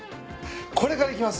これからいきます。